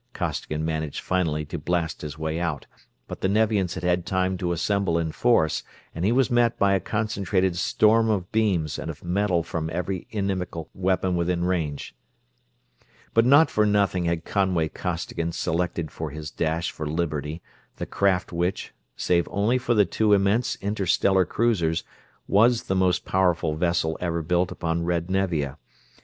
Costigan managed finally to blast his way out, but the Nevians had had time to assemble in force and he was met by a concentrated storm of beams and of metal from every inimical weapon within range. But not for nothing had Conway Costigan selected for his dash for liberty the craft which, save only for the two immense interstellar cruisers, was the most powerful vessel ever built upon red Nevia.